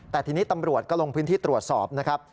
แต่ทีนี้ตำรวจก็ลงพื้นที่ตรวจสอบนะครับ